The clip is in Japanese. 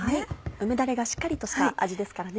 梅だれがしっかりとした味ですからね。